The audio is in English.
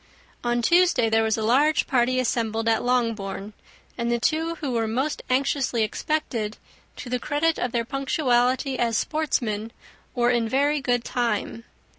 On Tuesday there was a large party assembled at Longbourn; and the two who were most anxiously expected, to the credit of their punctuality as sportsmen, were in very good time.